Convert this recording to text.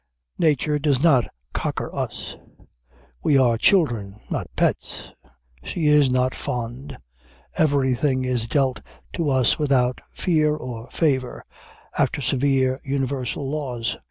Nature does not cocker us: we are children, not pets: she is not fond: everything is dealt to us without fear or favor, after severe universal laws.